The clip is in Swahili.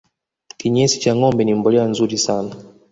kinyesi cha ngombe ni mbolea nzuri sana